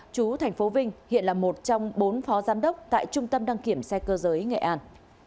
chú thành phố vinh hiện là một trong bốn phó giám đốc tại trung tâm đăng kiểm xe cơ giới nghệ an